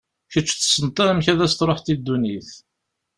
Kečč tessneḍ amek ad as-tṛuḥeḍ i ddunit.